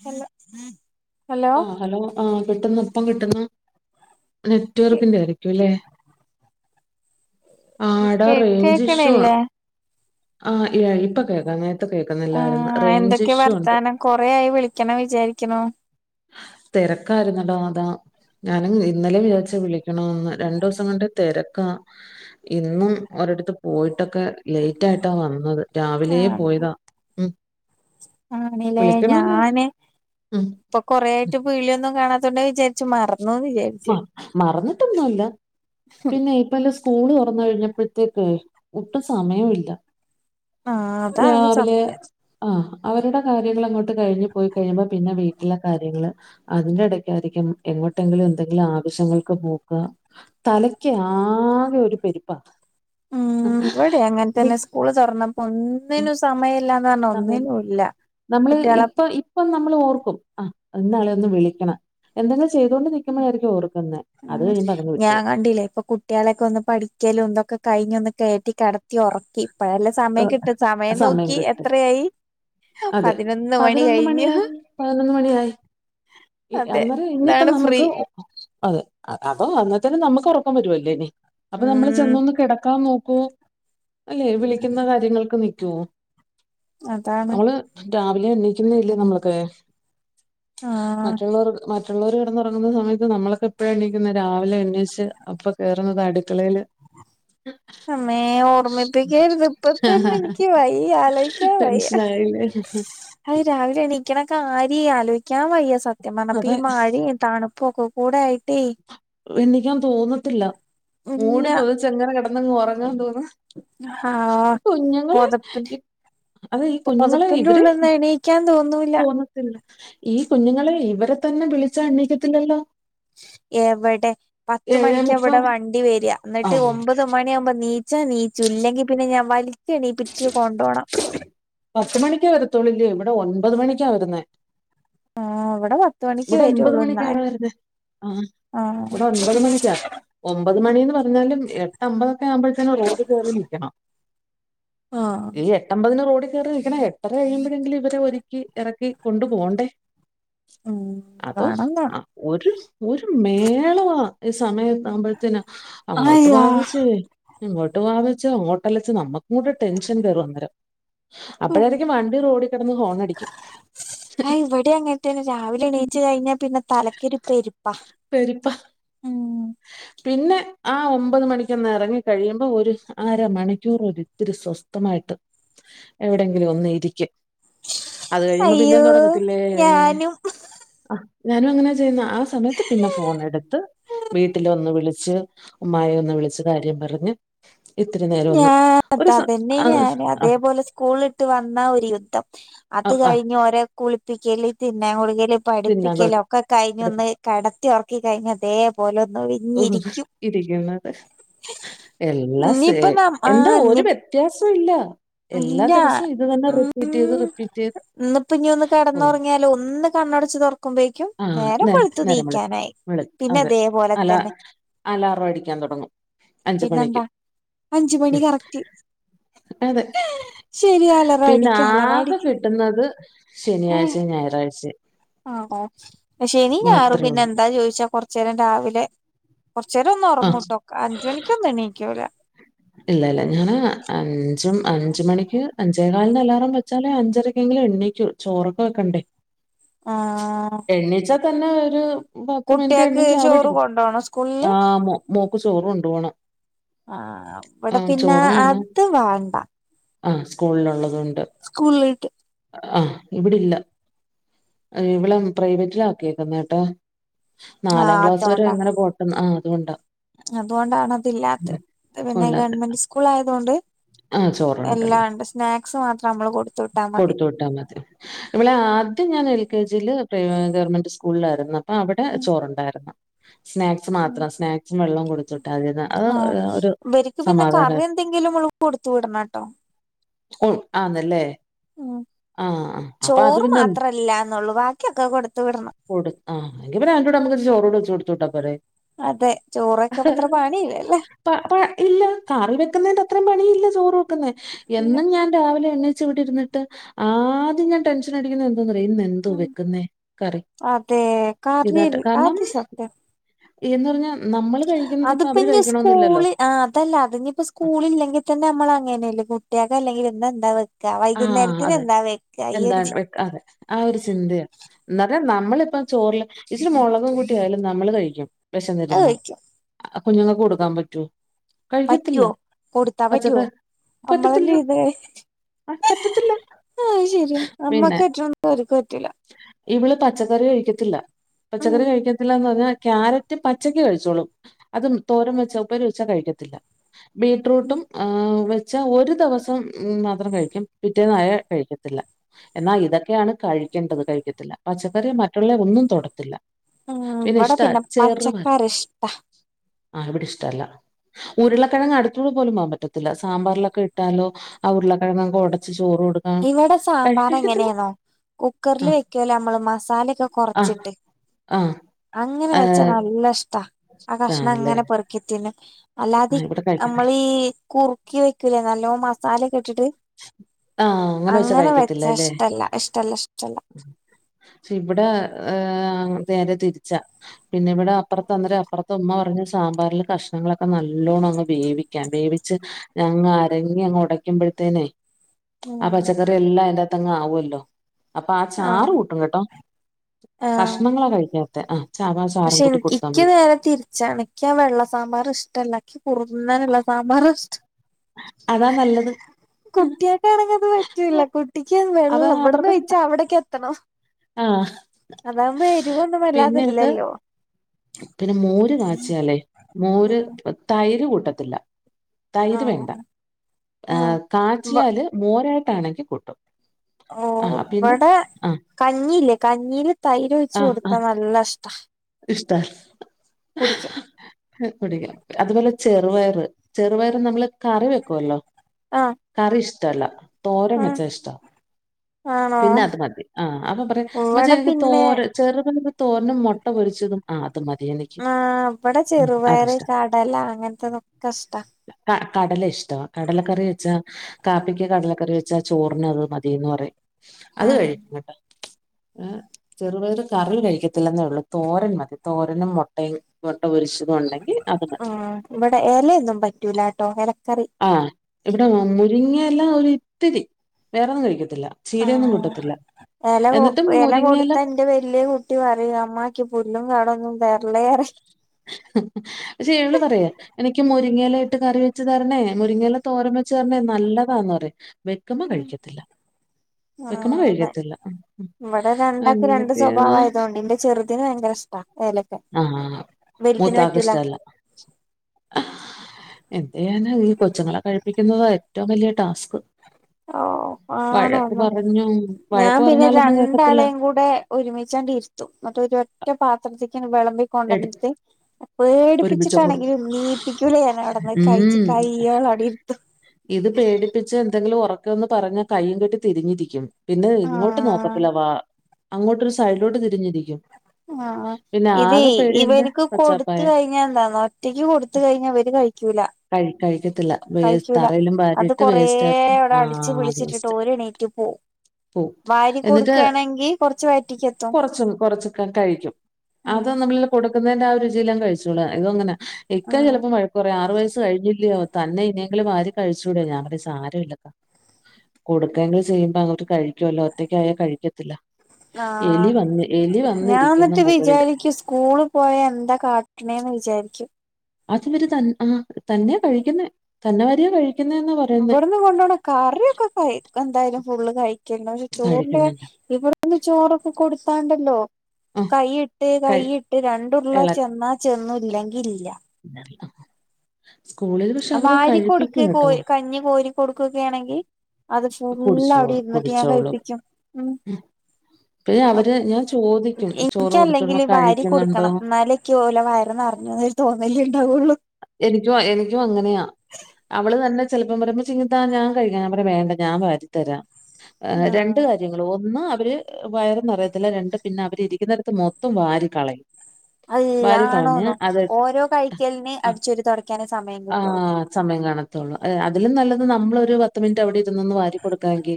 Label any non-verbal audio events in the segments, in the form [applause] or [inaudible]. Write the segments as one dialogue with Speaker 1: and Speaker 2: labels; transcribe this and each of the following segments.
Speaker 1: Hello hello
Speaker 2: ആഹ് hello ആഹ് കിട്ടുന്നപ്പം കിട്ടുന്ന നെറ്റ് വർക്കിന്റെ ആയിരിക്കും ല്ലേ. ആടാ
Speaker 1: കേ
Speaker 2: റെയ്ഞ്ച് ഇഷ്യൂ
Speaker 1: കേക്കണില്ലേ
Speaker 2: ആഹ് എ ഇപ്പ കേക്കാം നേർത്തെ കേക്കുന്നില്ലായിരുന്നു റേഞ്ച് ഇഷൂ ഉണ്ട്.
Speaker 1: കൊറെയായി വിളിക്കണം വിചാരിക്കുന്നു
Speaker 2: തെരക്കായിരുന്നടാ അതാ ഞാൻ ഇന്നലെ വിജാർച്ചു വിളിക്കണന്ന് രണ്ടു ദിസം കൊണ്ട് തെരക്കാ ഇന്നും ഒരിട്ത്ത് പോയിട്ടൊക്കെ ലെയ്റ്റ് ആയിട്ടാ വന്നത് രാവിലെ പോയതാ ഉം
Speaker 1: ആണ്ല്ലേ
Speaker 2: വിളിക്കണന്ന്
Speaker 1: ഞാന്
Speaker 2: ഉം
Speaker 1: ഇപ്പൊ കൊറേ ആയിട്ട് വീളിയൊന്നും കാണാത്തോണ്ട് ഞാൻ വിചാരിച്ചു മറന്നുന്ന് വിചാർ
Speaker 2: ഹ മറന്നിട്ടൊന്നുല്ല. പിന്നെ ഇപ്പല്ലെ സ്കൂള് തുറന്നു കഴിഞ്ഞപ്പളത്തേക്ക് ഒട്ടും സമയം ഇല്ല.
Speaker 1: ആഹ് അതാണ്
Speaker 2: രാവിലെ
Speaker 1: സത്യം
Speaker 2: ആഹ് അവരുടെ കാര്യങ്ങൾ അങ്ങോട്ട് കഴിഞ്ഞ് പോയി കഴിയുമ്പോ പിന്നെ വീട്ടിലെ കാര്യങ്ങള് അതിന്റെ ഇടയ്ക്കായിയിരിക്കും എങ്ങോട്ടെങ്കിലും എന്ത ങ്കിലും ആവശ്യങ്ങൾക്ക് പോക തലക്ക് ആകെ ഒരു പെരുപ്പാ
Speaker 1: ഉം ഇവിടെ
Speaker 2: വി
Speaker 1: അങ്ങൻതന്നെ സ്കൂള് തുറന്നപ്പോ
Speaker 2: ഉം
Speaker 1: ഒന്നിനും സമയ ല്യന്ന് പർഞ്ഞ
Speaker 2: സമയം
Speaker 1: ഒന്നിനും ഇല്ല കുട്ടിയാളെ
Speaker 2: അപ്പൊ നമ്മൾ ഓർക്കും ആഹ് എന്തായാലും ഒന്ന് വിളിക്കണം എന്തെങ്കിലും ചെയ്തൊണ്ട് നിക്കുമ്പോഴായിരിക്കും ഓർക്കുന്നെ.. അത്
Speaker 1: ഉം
Speaker 2: കഴിയുമ്പോ അതങ്ങ് വിട്ടു
Speaker 1: ഞാൻ കണ്ടില്ലേ ഇപ്പൊ കു കുട്ടിയാളൊക്കെ ഒന്ന് പഠിക്കലും ന്തൊക്കെ കഴിഞ്ഞ് ഒന്ന് ക്കെയറ്റി ക്കെടത്തി ഒറ ക്കി ഇപ്പഴെല്ലെ സമയം
Speaker 2: പോവും
Speaker 1: കിട്ടു സമയം നോക്കി എത്രയായി
Speaker 2: അതെ പതിനൊന്ന് മണി പതിനൊന്ന് മണിയായി.. ഇ
Speaker 1: അതെ
Speaker 2: അവര് ഇഞ്ഞിപ്പ
Speaker 1: അതാണ് ഫ്രീ
Speaker 2: നമ്മക്ക് ഒ അതെ അ അപ്പ അന്നത്തേരം നമുക്ക് ഒറക്കം വരുവല്ലേനി അപ്പൊ നമ്മള്
Speaker 1: ഉം
Speaker 2: ചെന്നൊന്ന് കെടക്കാൻ നോക്കൂ അല്ലെ വിളിക്കുന്ന കാര്യങ്ങൾക്ക് നിക്കോ
Speaker 1: അതാണ്
Speaker 2: നമ്മള് രാവിലെ എണിക്കുന്നതല്ലേ നമ്മളെക്കെ
Speaker 1: ആഹ്
Speaker 2: മറ്റുള്ളവർ മറ്റുള്ളോർ കെടന്നൊറുങ്ങുന്ന സമയത്ത് നമ്മളൊക്കെ എപ്പോഴാ എണ്ണീക്കുന്നത് രാവിലെ എണ്ണീച്ച് അപ്പ കയറുന്നതാ അടു അടുക്കളേല്ല്
Speaker 1: അമ്മേ ഓർമ്മിപ്പിക്കരുത് ഇപ്പ തന്നെ എനിക്ക് വയ്യ ആലോയ്ക്കാൻ വയ്യ.
Speaker 2: [unintelligible]
Speaker 1: അഹ് രാവിലെ എണീക്ക്ണ കാര്യേ ആലോയ്ക്കാൻ വയ്യ സത്യം പറഞ്ഞപ്പ ഈ
Speaker 2: അതെ
Speaker 1: മഴിം തണു പുക കൂടെ ആയിട്ടേ
Speaker 2: എണീക്കാൻ തോന്നത്തില്ല മൂടി
Speaker 1: ഇല്ല
Speaker 2: പൊതച്ചങ്ങനെ കെടന്നങ്ങ് ഒറങ്ങാൻ തോന്ന
Speaker 1: ആഹ്
Speaker 2: കുഞ്ഞുങ്ങള്
Speaker 1: പൊതപ്പിന്
Speaker 2: ഇ അത ഈ കുഞ്ഞുങ്ങള്
Speaker 1: പൊതപ്പിന്റെ
Speaker 2: ഇവര്
Speaker 1: ഉള്ളിന്ന് എണീക്കാൻ തോന്നൂല
Speaker 2: തോന്നും ഈ കുഞ്ഞുങ്ങളെ ഇവരെ തന്നെ വിളിച്ചാ എണീക്കത്തില്ലല്ലോ
Speaker 1: എവടെ പത്ത്
Speaker 2: ഏഴേ
Speaker 1: മണിക്ക ഇവടെ
Speaker 2: മുക്കാല്
Speaker 1: വണ്ടി വര
Speaker 2: ആ
Speaker 1: ന്നട്ട് ഒമ്പത് മണിയാവുമ്പ നീ ച്ച നീച്ചു ഇല്ലെങ്കി പിന്നെ ഞാൻ വലിച്ച് എണിപ്പിച്ചു കൊണ്ടോണം
Speaker 2: പത്ത് മണിക്കേ വരത്തോള്ളൂ ല്ലെ ഇവടെ ഒൻപത് മണിക്കാ വരുന്നേ
Speaker 1: ആ ഇവടെ പ
Speaker 2: ഇവടെ ഒൻപത് മണിക്കാടാ വരുന്നേ ആ
Speaker 1: ആഹ്
Speaker 2: ഇവടെ ഒൻപത് മണിക്കാ ഒമ്പത് മണീന്ന് പർഞ്ഞാലും എട്ട് അമ്പതൊക്കെ ആവുമ്പഴത്തേനും റോഡ് കേറി നിക്കണം
Speaker 1: ആഹ്
Speaker 2: [unintelligible] എട്ടമ്പതിന് റോഡി കെറി നിക്കണേ എട്ടര കഴിയുമ്പോഴെങ്കിലും ഇവരെ ഒരുക്കി എറക്കി കൊണ്ടു പോണ്ടേ
Speaker 1: ഉം
Speaker 2: അതോ
Speaker 1: വേണം കാണാൻ
Speaker 2: ആ ഒരു ഒരു മേളവാ ഈ സമയ ആവുമ്പോഴത്തേന് അങ്ങോട്ട്
Speaker 1: അയ്യാ
Speaker 2: വാവച്ചേ ഇങ്ങോട്ട് വാവചോ അങ്ങോട്ടലച്ച് നമ്മക്കും കൂടെ ടെൻഷൻ കേറും അന്നേരം
Speaker 1: ഉം
Speaker 2: അപ്പഴായിരിക്കും വണ്ടി റോഡി കെടന്ന് ഹോണടിക്ക
Speaker 1: ആഹ് [unintelligible] രാവിലെ എണീച് കഴിഞ്ഞാ പിന്നെ തലക്കെരു പെര്പ്പാ
Speaker 2: പെരുപ്പ
Speaker 1: ഉം
Speaker 2: പിന്നെ ആ ഒമ്പത് മണിക്കൊന്ന് എറങ്ങി കഴിയുമ്പോ ഒരു അര മണിക്കൂറ് ഒര് ഒരു സ്വസ്ഥമായിട്ട് എവിടെങ്കിലു ഒന്ന് ഇരിക്കും അത് കഴിയുമ്പ പിന്നേം
Speaker 1: അയ്യോ
Speaker 2: തൊടങ്ങത്തില്ലേ
Speaker 1: ഞാനും
Speaker 2: അഹ് ഞാനും അങ്ങനെ ചെയ്യുന്ന ആ സമയത്ത് പിന്നെ ഫോണ് എട്ത്ത് വീട്ടില് ഒന്ന് വിളിച്ച് ഉമ്മായി ഒന്ന് വിളിച്ച് കാര്യം പറഞ്ഞ് ഇത്തിരി നേരം ഒന്ന്
Speaker 1: ഞാ
Speaker 2: ഒരു സ
Speaker 1: അതന്നെ
Speaker 2: ആ,
Speaker 1: ഞാന്
Speaker 2: ആ,
Speaker 1: അതേപോലെ സ്കൂള്ട്ട് വന്ന ഒരു യുദ്ധം
Speaker 2: ആ,
Speaker 1: അത്
Speaker 2: ആ,
Speaker 1: കഴിഞ് ഓരെ കുളിപ്പിക്കല് തിന്നാൻ കൊടുക്കല്
Speaker 2: തിന്നാൻ
Speaker 1: പഠിപ്പിക്കല്
Speaker 2: കൊടു-
Speaker 1: ഒക്ക കഴിഞ്
Speaker 2: കൊടു-
Speaker 1: ഒന്ന് കടത്തി ഒർക്കി കഴിഞ്ഞ ദേ ബോലൊന്നോവി
Speaker 2: ഒഹ് ഇരിക്കുന്നത് എല്ലാം സെ
Speaker 1: ഇനിയിപ്പ ന
Speaker 2: എന്ദോ
Speaker 1: ആഹ്
Speaker 2: ഒരു
Speaker 1: ഇനി
Speaker 2: വ്യത്യാസ ഇല്ല എല്ലാ
Speaker 1: ഇല്ല
Speaker 2: ദെവസും ഇത് തന്നെ റിപ്പീറ്റ് ചെയ്ത് റിപ്പീറ്റ് ചെയ്ത്
Speaker 1: ഇന്ന്പ്പഞ്ഞി ഒന്ന്
Speaker 2: പോകുന്നു
Speaker 1: കെടന്നോറങ്ങിയാലോ ഒന്ന് കണ്ണടച്ച് തൊർക്കുമ്പഴേക്കും
Speaker 2: ആ
Speaker 1: നേരം വെളുത്തു
Speaker 2: നേരം വിളി
Speaker 1: നീക്കാനായി
Speaker 2: വിളി
Speaker 1: പിന്നെ
Speaker 2: അതെ
Speaker 1: അതേപോലെ
Speaker 2: അലാ
Speaker 1: തന്നെ
Speaker 2: അലാറം അടിക്കാൻ തൊടങ്ങും അഞ്ച് മണിക്ക്
Speaker 1: പിന്നെന്താ അഞ്ച് മണി കറക്റ്റ്
Speaker 2: അതെ
Speaker 1: ശരി അലറ
Speaker 2: പിന്നെ
Speaker 1: അടിക്ക് അലറ
Speaker 2: ആക
Speaker 1: അടിക്ക്
Speaker 2: കിട്ടുന്നത് ശനിയാഴ്ചെ ഞായറാഴ്ചെ
Speaker 1: ആ ശനിം ഞായറും
Speaker 2: മാത്രമേ
Speaker 1: പിന്നെ
Speaker 2: ഉള്ളൂ
Speaker 1: എന്താ ചോയിച്ചാ കൊർചെരം രാവിലെ കോർച്ചെരം ഒന്ന്
Speaker 2: ആ
Speaker 1: ഒർങ്ങു ട്ടോ അഞ്ചു മണിക്കൊന്നും എണീക്കൂല
Speaker 2: ഇല്ല ഇല്ല ഞാന് അഞ്ചും അഞ്ച് മണിക്ക് അഞ്ചേ കാൽന് അലാറം വെച്ചാല് അഞ്ചരക്കെങ്കിലും എണീക്കൂ ചോറൊക്ക വെക്കണ്ടേ
Speaker 1: ആഹ്
Speaker 2: എണീച്ചാ തന്നെ ഒരു പത്ത് മിനിറ്റ്
Speaker 1: കുട്ടികൾക്ക്
Speaker 2: എണീറ്റ്
Speaker 1: ചോറ്
Speaker 2: അവിടിരിക്കും
Speaker 1: കൊണ്ടോണോ സ്കൂളില്
Speaker 2: ആ മൊ മോക്ക് ചോറ് കൊണ്ടു പോണം
Speaker 1: ആ ഇവടെ പിന്നെ
Speaker 2: വേണം
Speaker 1: അത് വാണ്ട
Speaker 2: ആ സ്കൂൾല് ഉള്ളത് കൊണ്ട്
Speaker 1: സ്കൂൾലിണ്ട്
Speaker 2: ആഹ് ഇവിടില്ല ഇവളെ പ്രൈവറ്റിലാ ആക്കിയേക്കുന്നേ ട്ടോ
Speaker 1: ആഹ്
Speaker 2: നാലാം ക്ലാസ്സ് വരെ
Speaker 1: അതോണ്ടാ
Speaker 2: അങ്ങനെ പോട്ട് ആ അതുകൊണ്ടാ
Speaker 1: അതുകൊണ്ടാണ് അതില്ലാത്തെ പിന്നെ
Speaker 2: കൊല്ലാത്ത
Speaker 1: ഗവൺമെന്റ് സ്കൂള ആയതു കൊണ്ട്
Speaker 2: ആ ചോറ്
Speaker 1: എല്ലാ ഉണ്ട് സ്നാക്സ് മാത്രം നമ്മള് കൊടുത്തുവിട്ടാ മതി.
Speaker 2: കൊടുത്തു വിട്ടാ മതി ഇവിളെ ആദ്യം ഞാൻ എൽ കെ ജിയില് പ്ര ഗവൺമെന്റ് സ്കൂളിലായിരുന്നു. അപ്പൊ അവിടെ
Speaker 1: ഉം
Speaker 2: ചോറുണ്ടായിരുന്നു. സ്നാക്സ് മാത്രം സ്നാക്സും വെള്ളവും കൊടുത്ത്. വിട്ട മ
Speaker 1: ആ വരിക്ക് പിന്നെ കറി എന്തെങ്കിലും ഉ കൊടുത്തു വിടണംട്ടോ
Speaker 2: ഉം ആന്നല്ലേ
Speaker 1: ഉ
Speaker 2: ആ ആ. അപ്പൊ അത്
Speaker 1: ചോറ്
Speaker 2: പിന്നെ ഉണ്ട്.
Speaker 1: മാത്രല്ലന്നുള്ളു ബാക്കിയൊക്കെ കൊടുത്ത് വിടണം.
Speaker 2: കൊ ആ എ ആടെ നമക്ക് ചോറുട് വെച്ച് കൊടുത്ത് വിട്ടാ പോരെ.
Speaker 1: അതെ ചോറൊക്കെൻ ഇത്ര പണിഇല്ലല്ലേ.
Speaker 2: ഇല്ല കാറി വെക്കുന്നതിന്റെ അത്രയും പണിയില്ല ചോറ് വെക്കുന്ന എന്നും ഞാൻ രാവിലെ എണോച്ച് ഇവി ഇരുന്നട്ട് ആദ്യം ഞാൻ ടെൻഷൻ അടിക്കുന്നത് എന്തോന് അറോ തു
Speaker 1: ഉം
Speaker 2: വെക്കുന്ന കറി
Speaker 1: അതെ കറി
Speaker 2: ഇതാട കാരണം.
Speaker 1: അത് സത്യം
Speaker 2: ന്ന് പറഞ്ഞാ നമ്മള് കഴിക്കുന്നതിപ്പൊ അവര് കഴിക്കണന്നില്ലല്ലോ.
Speaker 1: ആ്തല്ല അത്നി ഇപ്പോ സ്കൂള ഇില്ലെങ്കിൽ തന്നെ നമ്മൾ അങ്ങനെല്ലേ കുട്ടികകെ അല്ലെങ്കിൽ ഇന്ത എന്താ വ
Speaker 2: ആ അതെ
Speaker 1: വൈകുന്നേരത്തിന് എന്താ വെക്ക ഇയ്യ്‌
Speaker 2: എന്താണ് അതെ ആ ഒരു ചിന്തയാണ് എ പറ നമ്മളിപ്പം ചോറില് ഇച്ചരി മുളകും കുട്ടിയ ആയാലും നമ്മൾ കഴിക്കും.
Speaker 1: അത്
Speaker 2: വിശന്നിരുന്ന
Speaker 1: വെക്കും.
Speaker 2: കുഞ്ഞുങ്ങക്ക് കൊടുക്കാൻ പറ്റൂ
Speaker 1: പറ്റുവോ കൊടുത്താ പറ്റുവോ നമ്മള
Speaker 2: പറ്റത്തില്ല
Speaker 1: എ ഇത്
Speaker 2: ആ, പറ്റത്തില്ല
Speaker 1: ആഹ ശരി
Speaker 2: പിന്നെ
Speaker 1: അമ്മക്കറ്റൊന്നും വക്കരക് പറ്റു ല്ല.
Speaker 2: ഇവള് പച്ചക്കറി കഴിക്കത്തില്ല
Speaker 1: ഉം
Speaker 2: പച്ചക്കറി കഴിക്കത്തില്ലന്ന് പറഞ്ഞാൽ. കക്യാരറ്റ് പച്ചക്ക് കഴിച്ചോളും അതും തോരം വെച്ചാ ഉപ്പരി വെച്ചാ കഴിക്കത്തില്ല. ബീറ്റ്റൂട്ടും ആ ചച്ചാ ഒരു ദിവസം ഉ മാത്രം കഴിക്കും പിറ്റേ നായ കഴിക്കത്തില്ല. എന്നാ ഇതൊക്കെയാണ് കഴിക്കേണ്ടത് കഴിക്കത്തില്ല. പച്ചക്കറി മറ്റുള്ള ഒന്നും തോടത്തില്ല.
Speaker 1: ഉം
Speaker 2: പിന്നെ
Speaker 1: ഇവിടെ
Speaker 2: ഇഷ്ട ചേർ വര
Speaker 1: പച്ചക്കറി ഇഷ്ടാ
Speaker 2: ആ ഇവിടെ ഇഷ്ടല്ല. ഉരുളക്കിഴങ് അടുത്തൂള്ള പോലും പോകാൻ പറ്റത്തില്ല. സാമ്പാറിലൊക്കെ ഇട്ടാലോ ആ ഉരുളക്കിഴങ്ങങ് ഉടച്ച് ചോറ് കൊടുക്കും.
Speaker 1: ഇവിടെ സാമ്പാർ എങ്ങനെയാണോ കുക്കറിൽ വെക്കുവല്ലോ നമ്മള്. മസാലയൊക്കെ കുറച്ചിട്ട്.
Speaker 2: ആ
Speaker 1: അങ്ങനെ വെച്ചാ നല്ല ഇഷ്ടാ ആ കഷണം
Speaker 2: ആണല്ലേ
Speaker 1: അങ്ങനെ പൊറുക്കിത്തിനും. അല്ലാതെ
Speaker 2: ആഹ് ഇവിടെ കഴിക്കത്തില്ല
Speaker 1: നമ്മളീ കുറുക്കി വെക്കൂലേ നല്ലോ മസാലക്കെ ഇട്ടിട്ട്.
Speaker 2: ആഹ് വെച്ചാ
Speaker 1: അങ്ങനെ വെച്ച
Speaker 2: കഴിക്കത്തില്ല അല്ലേ
Speaker 1: ഇഷ്ടല്ല ഇഷ്ടല്ല ഇഷ്ടല്ല.
Speaker 2: ഇവിടെ ഹോ നേരെ തിരിച്ചാ. പിന്നെ ഇവിടെ അപ്പുറത്ത് അന്നേം അപ്പുറത്ത് ഉമ്മ പറഞ്ഞഞ് സാമ്പാറൽ കഷ്ങ്ങളൊക്കെ നല്ല നല്ലോണം അങ്ങ് വേവിക്കാൻ വേവിച്ച് ഞങ്ങ് അരങ്ങി അങ്ങ് ഉടയ്ക്കുമ്പോഴത്തേനേ ആ
Speaker 1: ഉം
Speaker 2: പച്ചക്കറി എല്ലാം എറത്ത്ങ് ആവുമല്ലോ? അപ്പൊ ആ ചാറ്
Speaker 1: ആഹ്
Speaker 2: കൂട്ടും കേട്ടോ
Speaker 1: ആഹ്
Speaker 2: കഷ്ണങ്ങളാ കഴിക്കാത്ത ആ ചാ ചാറും
Speaker 1: പക്ഷെ
Speaker 2: കൂട്ടി
Speaker 1: എനിക്ക്
Speaker 2: കൊടുത്താൽ
Speaker 1: ഇക്ക്
Speaker 2: മതി
Speaker 1: നേരെ തിരിച്ചാണ്. ഇക് ആവെള്ള സാമ്പാർ ഇഷ്ടമല്ലാ ഇക്ക് കുറുന്നാനുള്ള സാമ്പാർ ഇഷ്ടം.
Speaker 2: അതാ നല്ലത്.
Speaker 1: കുട്ടിയക്കൊണെങ്കിൽ അത് പറ്റൂല്ല കുട്ടിക്ക് അത് വെള്ളം എവിടന്ന് കഴിച്ച അവിടേക്ക് എത്തണം
Speaker 2: ആ
Speaker 1: അതാവുപോ എരുവൊന്നും.
Speaker 2: പിന്നെ എടുത്ത്
Speaker 1: മല്ലാതൊഇല്ലല്ലോ.
Speaker 2: പിന്നെ മോര് കാച്ചിയാലേ മോര്
Speaker 1: ഉം
Speaker 2: തൈര് കൂട്ടത്തില്ല. തൈര് വേണ്ട.
Speaker 1: ആഹ് ആഹ്
Speaker 2: ഏർ
Speaker 1: ഇവ
Speaker 2: കാച്ചിയാല് മോരായിട്ടാണെങ്കിൽ കൂട്ടും.
Speaker 1: ഓ
Speaker 2: ആ പിന്നെ
Speaker 1: വടെ
Speaker 2: ആ
Speaker 1: കഞ്ഞില്ലേ കഞ്ഞിയില് തൈര് ഒഴിച്ചു
Speaker 2: ആ ആ
Speaker 1: കൊടുത്താ നല്ല ഇഷ്ട
Speaker 2: ഇഷ്ട
Speaker 1: കുടിക്കും
Speaker 2: ഹെ കുടിക്കും. അതുപോലെ ചെറുപയറ് ചെറുപയർ നമ്മള് കറി വെക്കുവല്ലോ?
Speaker 1: ആഹ്
Speaker 2: കറി ഇഷ്ടല്ല തോരം
Speaker 1: ആഹ്
Speaker 2: വെച്ചാഇഷ്ടാ
Speaker 1: ആണോ
Speaker 2: പിന്നെ അത് മതി. ആഹ് അപ്പൊപറിം മ്മചേയ്
Speaker 1: ഇവിടെ
Speaker 2: എനിക്ക്
Speaker 1: പിന്നെ
Speaker 2: തോരൻ ചെറുപരിപ്പ് തോരനും മുട്ട പൊരിച്ചതും ആ അത് മതിയാനി
Speaker 1: ആഹ് ഇവടെ ചെറുപയറ് കടല അങ്ങനത്തെതൊക്കെ ഇഷ്ടാ
Speaker 2: ക കടല ഇഷ്ടാ കടല കറിവെച്ചാ കാപ്പിക്ക് കടലക്കറി വെച്ചാ ചോറിനത് മതിന്ന് പറയും. അത്
Speaker 1: ഉം
Speaker 2: കഴിക്കും കെട്ടോ എ ചെറുപയറ് കറി കഴിക്കത്തില്ലെന്നേ ഉള്ളൂ. തോരൻ മതി. തോരനും മുട്ടയും മുട്ടപൊരിച്ചതുംഉണ്ടെങ്കിൽ അത് മതി.
Speaker 1: ഇവടെ എലയൊന്നും പറ്റൂല്ലാട്ടോ എലക്കറി
Speaker 2: ആഹ് ഇവിടെ മുരിങ്ങല ഒരിത്തിരി വേറൊന്നും കഴിക്കത്തില്ല. ചീരയൊന്നും
Speaker 1: ആഹ്
Speaker 2: കൂട്ടത്തില്ല
Speaker 1: എലകൊ
Speaker 2: എന്നിട്ടും മുരിങ്ങയില
Speaker 1: എലകൊടുത്ത ൻ്റെ വല്ല്യ കു ട്ടിപറയും അമ്മാക്ക് പുല്ലും കാടൊന്നും തരല്ലേ
Speaker 2: പക്ഷെ ഇവള് പറയാ എനിക്ക് മുരിങ്ങയില ഇട്ട് കറി വെച്ചു തരണേ, മുരിങ്ങയില തോരം വെച്ചച്ച് തരണേ, നല്ലതാന്ന് പറയും. വെക്കുമ്പോ
Speaker 1: പറയും
Speaker 2: കഴിക്കത്തില്ല.
Speaker 1: ആഹ്
Speaker 2: വെക്കുമ്പോ
Speaker 1: അതെ.
Speaker 2: കഴിക്കത്തില്ല
Speaker 1: ഇവടെ രണ്ടാക്ക് രണ്ട്
Speaker 2: അങ്ങനെയൊക്കെയാ
Speaker 1: സ്വഭാവആയതൊണ്ട് ഇന്റെ ചെറ്ത് ർതിന് ഭയങ്കര ഇഷ്ട ഏല
Speaker 2: ആഹ് ഹ് ഹ മൂത്തആക്ക് ഇഷ്ടല്ല. എന്ത്ചെയ്യാനാ ഈ കൊച്ചുങ്ങളെ കഴിപ്പിക്കുന്നത ഏറ്റവും വലിയ ടാസ്ക്
Speaker 1: ഓ
Speaker 2: വഴക്ക്
Speaker 1: ആണോന്നോ
Speaker 2: പറഞ്ഞു
Speaker 1: ഞാൻ
Speaker 2: വഴക്ക്
Speaker 1: പിന്നെ
Speaker 2: പറഞ്ഞാലൊന്നും കേൾക്കത്തില്ല
Speaker 1: രണ്ടാളെയും കൂടെ ഒരുമിച്ചാണ്ട് ഇരുത്തും ന്നട്ട് ഒര് ഒറ്റ പാത്രത്തിക്ക് ആണ്ട് വിളമ്പി
Speaker 2: എടു
Speaker 1: കൊണ്ടുവന്നിട്ട്
Speaker 2: ഒരുമിച്ച് കൊടുക്കും
Speaker 1: പേടിപ്പിച്ചിട്ടാണെങ്കിലും നീപ്പിക്കൂലേ ഞാനഅവിടുന്ന് കഴിച്ച്
Speaker 2: ഉം
Speaker 1: കയ്യോള അവിട [unintelligible]
Speaker 2: ഇത് പേടി പ്പിച്ച് എന്തെങ്കിലും ഒറക്കെ ഒന്ന് പറഞ്ഞാകയ്യും കെട്ടി തിരിഞ്ഞിരിക്കും. പിന്നെ ഇങ്ങോട്ട്
Speaker 1: ആഹ്
Speaker 2: നോക്കത്തില്ല വാ അങ്ങോട്ടൊരു സൈഡിലോട്ട് തിരിഞ്ഞിരിക്കും.
Speaker 1: ആഹ്
Speaker 2: പിന്നെ ആകെ
Speaker 1: ഇതിയ്
Speaker 2: പേടി എന്റെ
Speaker 1: ഇവരിക്ക്
Speaker 2: കൊച്ചാപ്പായ
Speaker 1: കൊടുത്ത്കഴിഞ്ഞാ എന്താന്നോ ഒറ്റയ്ക്ക് കൊടുത്ത് കഴിഞ്ഞ ഇവര് കഴിക്കൂല.
Speaker 2: കഴി കഴിക്കത്തില്ല. വേസ്
Speaker 1: കഴിക്കൂല
Speaker 2: തറയിലും
Speaker 1: അത്
Speaker 2: വാരിയിട്ട്
Speaker 1: കൊറേ
Speaker 2: വേസ്റ്റ് ആക്കി
Speaker 1: അവിടെ അടിച്ച്
Speaker 2: ആഹാ
Speaker 1: പിടിച്ചിട്ടിട്ട്
Speaker 2: വേസ്റ്റ്
Speaker 1: ഓര് എണീറ്റ് പോവും
Speaker 2: പോം
Speaker 1: വാരി
Speaker 2: എന്നിട്ട്
Speaker 1: കൊടുക്കാണെങ്കി കൊറച്ച് വയറ്റിക്കെത്തും
Speaker 2: കൊറച്ച് കൊറച്ചൊക്ക കഴിക്കും.
Speaker 1: ഉം
Speaker 2: അത് നമ്മള്ല്ലേ കൊടുക്കുന്നന്റെ ആ രുചില് അങ്ങ് കഴിചോളൂ ഇത അങ്ങനാ ഇക്ക
Speaker 1: ഉം
Speaker 2: ചിലപ്പോ വഴക് ക്കപറയും ആറ് വയസ്സ് കഴിഞ്ഞില്ലയോ തന്നെ ഇനിഎങ്കിലുംവാരികഴിച്ചുടയോ ഞാൻപറിം സാരം ഇക്കാ കൊടുക്കെങ്കിലുംചെയ്യുമ്പോ അങ്ങോട്ട് കഴിക്കുല്ലോ ഒറ്റയ്ക്ക് ആയകഴിക്ക ത്തില്ല
Speaker 1: ആഹ്
Speaker 2: എലിവന്ന് എലിവന്നിരിക്കുന്ന് മുകളില്
Speaker 1: സ്കൂളിപോയ എന്താ കാട്ടണേന്ന് വിചാരിക്കും.
Speaker 2: അത് ഇവര് തൻ ആഹ് തന്നെ കഴിക്കുന്നെ തന്ന വാരിയ കഴി
Speaker 1: ഇവടുന്ന് കൊണ്ടോണ കറിയൊക്കെ കയ് എന്തായാലും ഫുള്ള് കഴിക്കണ്ട് പക്ഷെ ചോറിന്റെ
Speaker 2: കഴിക്കുന്നുണ്ട്.
Speaker 1: ഇവർ ഇവട്ന്ന് ചോറൊക്കെ കൊടുത്താണ്ടല്ലോ
Speaker 2: ആ
Speaker 1: കൈയിട്ട്
Speaker 2: കഴി
Speaker 1: കൈയിട്ട്
Speaker 2: എള
Speaker 1: രണ്ടുരുളചെന്നാ ചെന്നു ഇല്ലെങ്കി ഇല്ല.
Speaker 2: [unintelligible] സ്കൂളില് [unintelligible]
Speaker 1: വാരി കൊടുക്കെ
Speaker 2: കഴിപ്പിക്കും
Speaker 1: കോ
Speaker 2: കേട്ടോ.
Speaker 1: കഞ്ഞി കോരി കൊടുക്കൊക്കെ ആണെങ്കി അത് ഫുള്ള് അവിടെ
Speaker 2: കുടിച്ചോളും
Speaker 1: ഇരുന്നട്ട് ഞാൻ
Speaker 2: കുടിച്ചോളും.
Speaker 1: കഴിപ്പിക്കും ഉം
Speaker 2: പിന്നെ അവര്
Speaker 1: അപ്പാ
Speaker 2: ഞാൻ ചോദിക്കും ചോറ് കൊടുത്തോളുമ്പോ
Speaker 1: എനിക്കല്ലെങ്കില് വാരി
Speaker 2: കഴിക്കുന്നുണ്ടോ?
Speaker 1: കൊടുക്കണം എന്നാലെ ക്കൊലെ വയറ്നറഞ്ഞോന്ന് ഒരു തോന്നല് ഇണ്ടാവൂള്ളൂ
Speaker 2: എനിക്കും എനിക്കും അങ്ങനെയാ അവള് തന്നെ ചെലപ്പം പറയും ഉമ്മച്ചി ഇങ്ങ് താ ഞാൻ കഴിക്കാ വേണ്ട ഞാൻ പറയും വേണ്ട ഞാൻ വാരിത്തരാം ഏഹ് രണ്ട്
Speaker 1: ആഹ്
Speaker 2: കാര്യ ളും ഒന്ന് അവര് വയറ് നറയത്തില്ല രണ്ട് പിന്നെ അവര് ഇരിക്കുന്നടത്ത് മൊത്തം വാരി കളയും
Speaker 1: അഹ് ആണോന്നോ ഓരോ കഴിക്കലിന്
Speaker 2: അഹ്
Speaker 1: അടിച്ചൊരി തുടയ്ക്കാനേ സമയം കിട്ടുള്ളൂ
Speaker 2: ആഹ് സമയം കാണത്തുള്ളൂ അതിലും നല്ലത് നമ്മളൊരു പത്ത് മിനിറ്റ് അവിടെ ഇരുന്നൊന്ന് വാരി കൊടുക്കാമെങ്കി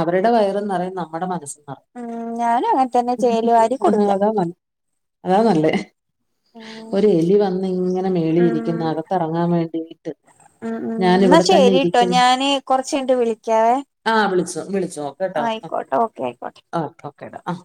Speaker 2: അവരുടെ വയറുംനിറയും നമ്മുടെ മനസ്സ് നിറയും
Speaker 1: ഉം ഞാനും അങ്ങനെ തന്നെ ചെയ്യല് വാരി കൊടുക്ക
Speaker 2: അതാ അതാ നല്ലത്
Speaker 1: ഉം
Speaker 2: ഒരു എലി വന്ന് ങ്ങനെ വെളിരിക്കുന്ന അകത്ത്റങ്ങാൻ വേണ്ടിട്ട്
Speaker 1: ആഹ് ആഹ് എന്നാ ശരിട്ടോ ഞാന് കൊറച്ചയ്ഞ്ഞിട്ട് വിളിക്കാവെ
Speaker 2: ആഹ് വിളിച്ചോ വിളിച്ചോ
Speaker 1: ആഹ് ആയിക്കോട്ടെ ഓക്കെ ആയിക്കോട്ടെ
Speaker 2: ഓക്കെ ഓക്കേടാ ആഹ്